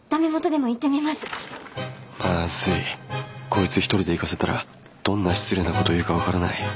こいつ一人で行かせたらどんな失礼なこと言うか分からない。